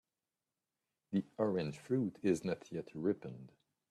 The orange fruit is not yet ripened.